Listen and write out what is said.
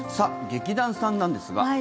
劇団さんなんですが。